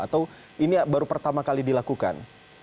atau ini baru pertama kali dilakukan